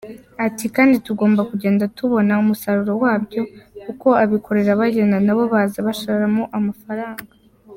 Ati “Kandi tugenda tubona umusaruro wabyo kuko abikorera bagenda na bo baza bashoramo amafaranga.